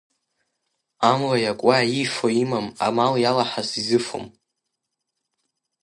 Амла иакуа иифо имам, амал иалаҳаз изыфом.